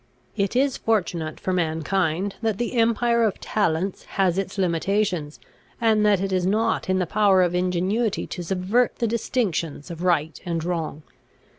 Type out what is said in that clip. It is fortunate for mankind that the empire of talents has its limitations, and that it is not in the power of ingenuity to subvert the distinctions of right and wrong.